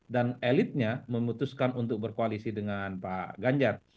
dan elitnya memutuskan untuk berkoalisi dengan pak ganjar